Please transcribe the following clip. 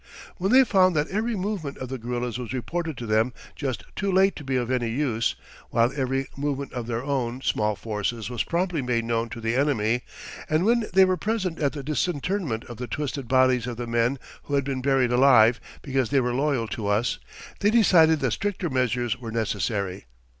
When they found that every movement of the guerillas was reported to them just too late to be of any use, while every movement of their own small forces was promptly made known to the enemy, and when they were present at the disinterment of the twisted bodies of the men who had been buried alive because they were loyal to us, they decided that stricter measures were necessary.